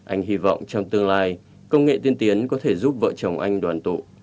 anh hy vọng trong tương lai công nghệ tiên tiến có thể giúp vợ chồng anh đoàn tụ